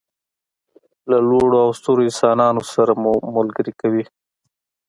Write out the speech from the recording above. له لوړو او سترو انسانانو سره مو ملګري کوي.